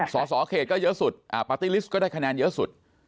สสเขตก็เยอะสุดปาร์ตี้ลิสต์ก็ได้คะแนนเยอะสุด